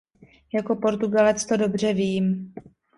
Jako Portugalec to dobře vím.